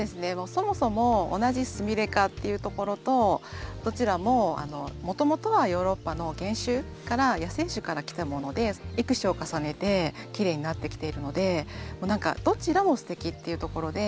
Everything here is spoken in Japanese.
そもそも同じスミレ科っていうところとどちらももともとはヨーロッパの原種から野生種からきたもので育種を重ねてきれいになってきているので何かどちらもすてきっていうところで。